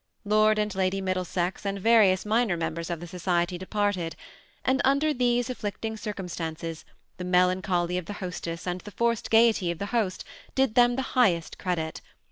Lord and Lady Mid dlesex and various minor members of the society departed ; and under these afflicting circumstances, the melancholy of the. hostess and the forced gayety of the host did them the highest credit.